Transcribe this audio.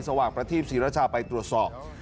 ว่างประทีปศรีรชาไปตรวจสอบ